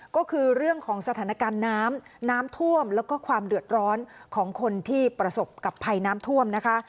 ก็คือเรื่องของสถานการณ์น้ำน้ำท่วมแล้วก็ความเดือดร้อนของคนที่ประสบกับภัยน้ำท่วมนะคะ